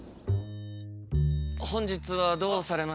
本日はどうされましたか？